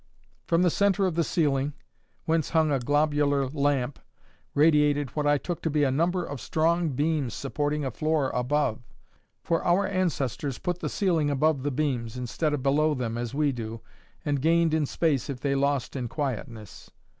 From the centre of the ceiling, whence hung a globular lamp, radiated what I took to be a number of strong beams supporting a floor above; for our ancestors put the ceiling above the beams, instead of below them, as we do, and gained in space if they lost in quietness.